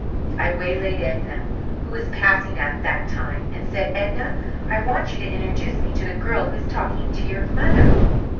I waylaid Edna, who was passing at that time, and said, "Edna I want you to introduce me to the girl who is talking to your mother."